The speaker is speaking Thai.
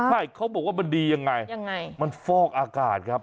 ใช่เขาบอกว่ามันดียังไงมันฟอกอากาศครับ